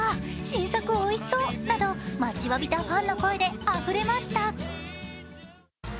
新作おいしそう！など待ちわびたファンの声であふれました。